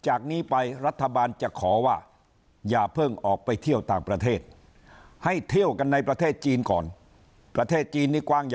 จากนี้ไปรัฐบาลจะขอว่าอย่าเพิ่งออกไปเที่ยวต่างประเทศให้เที่ยวกันในประเทศจีนก่อนประเทศจีนนี่กว้างใหญ่